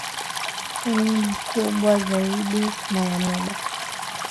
eeh makubwa zaidi na ya muda